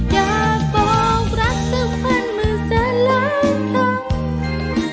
อยากบอกรักสมันหมื่นแสนล้านคำ